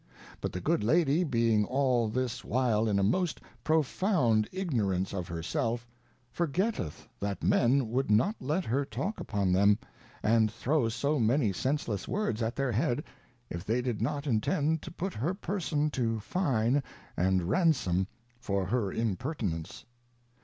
But the good Lady being all this while in a most profound Ignorance of her self, forgetteth that Men would not let her talk upon them, and throw so many senseless words at their head, if they did not intend to put her Person to Fine and Ransom, for her Imper tinence.